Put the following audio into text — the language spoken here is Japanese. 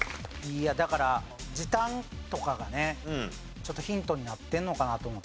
いやだから時短とかがねヒントになってるのかなと思って。